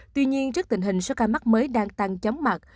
tuy nhiên trước tình hình số ca mắc mới đang tăng chóng mặt